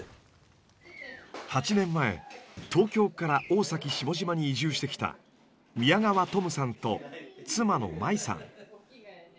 ８年前東京から大崎下島に移住してきた宮川トムさんと妻の真伊さん。